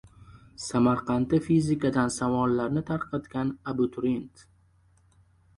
Samarqandda fizikadan savollarni tarqatgan abituriyent